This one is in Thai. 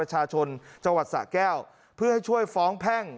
จังหวัดสะแก้วเพื่อให้ช่วยฟ้องแพ่ง